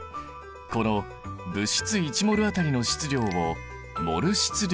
この物質１ｍｏｌ当たりの質量をモル質量という。